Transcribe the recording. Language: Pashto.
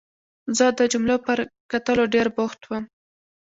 زه د جملو پر کټلو ډېر بوخت وم.